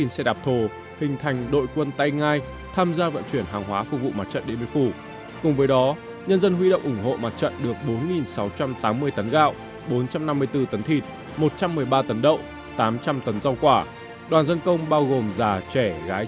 xin chào và hẹn gặp lại